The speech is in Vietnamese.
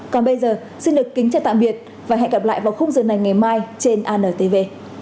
còn bây giờ xin được kính chào tạm biệt và hẹn gặp lại vào khung giờ này ngày mai trên antv